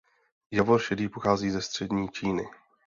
Javor šedý pochází ze střední Číny.